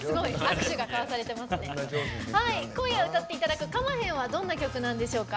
今夜、歌っていただく「かまへん」はどんな曲なんでしょうか。